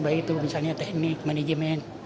baik itu misalnya teknik manajemen